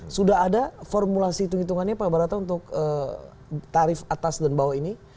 sudah ada formulasi hitung hitungannya pak barata untuk tarif atas dan bawah ini